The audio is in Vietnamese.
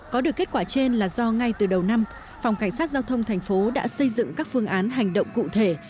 có được kết quả trên là do ngay từ đầu năm phòng cảnh sát giao thông thành phố đã xây dựng các phương án hành động cụ thể